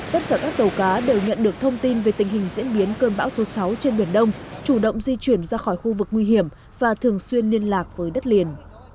tất cả các tàu cá đều nhận được thông tin về tình hình diễn biến cơn bão số sáu trên biển đông chủ động di chuyển ra khỏi khu vực nguy hiểm và thường xuyên liên lạc với đất liền